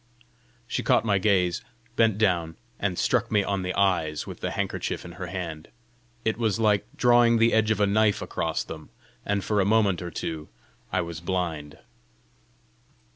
She caught my gaze, bent down, and struck me on the eyes with the handkerchief in her hand: it was like drawing the edge of a knife across them, and for a moment or two I was blind.